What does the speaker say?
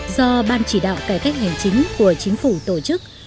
do ban chỉ đạo cải cách hành chính của chính phủ tổ chức